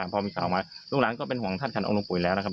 พอมีข่าวมาลูกหลานก็เป็นห่วงธาตุขันองค์หลวงปู่อีกแล้วนะครับ